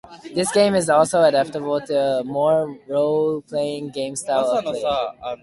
This game is also adaptable to a more role-playing game style of play.